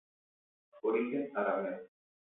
Origen Arameo.